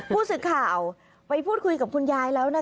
ผู้สื่อข่าวไปพูดคุยกับคุณยายแล้วนะคะ